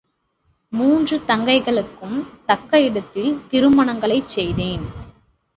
மூன்று தங்கைகளுக்கும் தக்க இடத்தில் திருமணங்களைச் செய்தேன்.